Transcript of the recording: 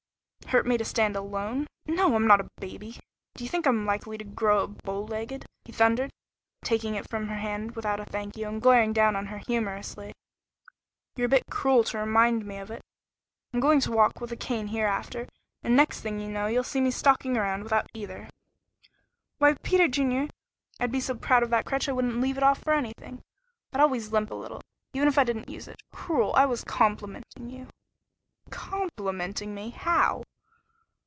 "Hurt me to stand alone? No! I'm not a baby. Do you think I'm likely to grow up bow legged?" he thundered, taking it from her hand without a thank you, and glaring down on her humorously. "You're a bit cruel to remind me of it. I'm going to walk with a cane hereafter, and next thing you know you'll see me stalking around without either." "Why, Peter Junior! I'd be so proud of that crutch I wouldn't leave it off for anything! I'd always limp a little, even if I didn't use it. Cruel? I was complimenting you." "Complimenting me? How?"